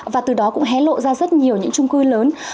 và từ đó cũng hé lộ ra rất nhiều những trung cư lớn